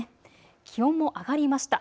気温も上がりました。